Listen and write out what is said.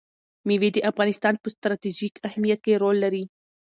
مېوې د افغانستان په ستراتیژیک اهمیت کې رول لري.